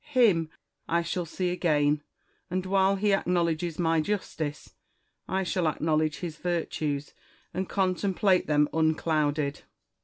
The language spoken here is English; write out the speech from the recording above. Him I shall see again ; and, while he acknowledges my justice, I shall acknowledge his virtues, and contemplate them unclouded.